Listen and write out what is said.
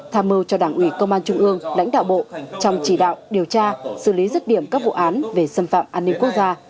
tham mưu cho đảng ủy công an trung ương lãnh đạo bộ trong chỉ đạo điều tra xử lý rứt điểm các vụ án về xâm phạm an ninh quốc gia